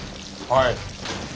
はい。